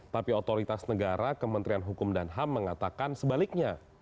tapi otoritas negara kementerian hukum dan ham mengatakan sebaliknya